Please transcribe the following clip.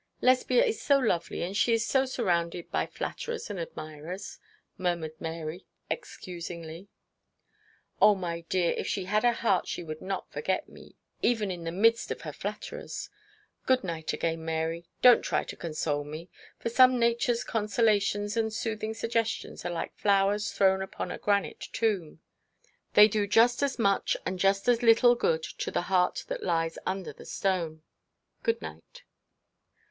'Lesbia is so lovely, and she is so surrounded by flatterers and admirers,' murmured Mary, excusingly. 'Oh, my dear, if she had a heart she would not forget me, even in the midst of her flatterers. Good night again, Mary. Don't try to console me. For some natures consolations and soothing suggestions are like flowers thrown upon a granite tomb. They do just as much and just as little good to the heart that lies under the stone. Good night.'